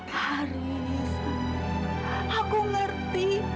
haris aku ngerti